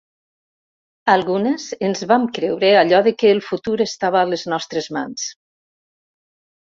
Algunes ens vam creure allò de que el futur estava a les nostres mans.